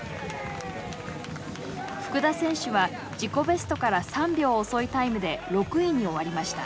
福田選手は自己ベストから３秒遅いタイムで６位に終わりました。